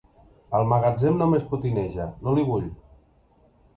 Al magatzem només potineja: no l'hi vull!